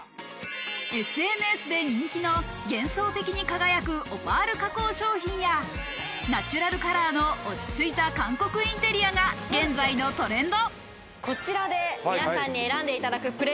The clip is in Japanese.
ＳＮＳで人気の幻想的に輝くオパール加工商品や、ナチュラルカラーの落ち着いた韓国インテリアが現在のトレンド。